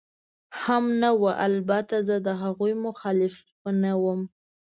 هم نه وه، البته زه د هغوی مخالف نه ووم.